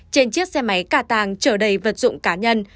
trên chiếc xe máy cà tàng trở đầy vật dụng cá nhân